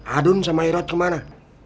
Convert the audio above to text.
adun sama irat kemana